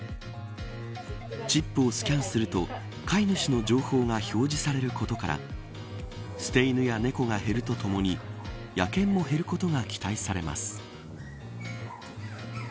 チップをスキャンすると飼い主の情報が表示されることから捨て犬や猫が減るとともに野犬も減ることが期待されます。